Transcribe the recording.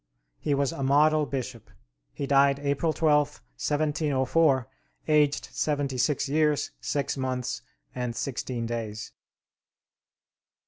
He was a model bishop. He died April 12th, 1704, aged seventy six years, six months, and sixteen days.